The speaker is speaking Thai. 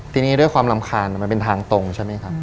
ทีนี้ด้วยความรำคาญมันเป็นทางตรงใช่ไหมครับ